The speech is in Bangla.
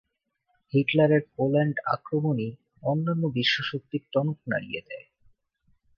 হিটলারের পোল্যান্ড আক্রমণই অন্যান্য বিশ্বশক্তির টনক নড়িয়ে দেয়।